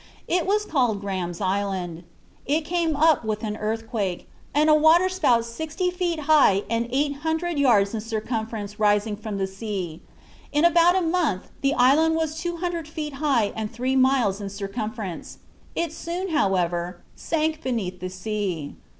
It was called Graham's Island. It came up with an earthquake, and "a water spout sixty feet high and eight hundred yards in circumference rising from the sea." In about a month the island was two hundred feet high and three miles in circumference; it soon, however, sank beneath the sea.